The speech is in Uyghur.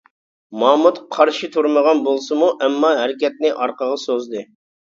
مامۇت قارشى تۇرمىغان بولسىمۇ ئەمما ھەرىكەتنى ئارقىغا سوزدى.